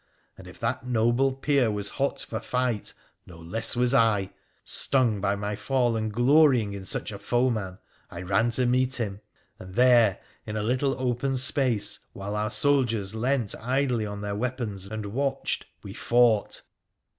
And if that noble peer was hot for fight, no less was I. Stung by my fall, and glorying in such a foeman, I ran to meet him, and there, in a little open space, while our soldiers leant idly on their weapons PHRA THE PHOENICIAN 211 and watched, we fought.